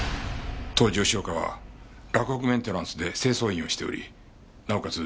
当時吉岡は洛北メンテナンスで清掃員をしておりなおかつ